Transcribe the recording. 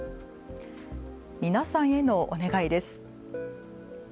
皆さんへのお願いです。